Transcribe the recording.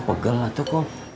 pegel atau kum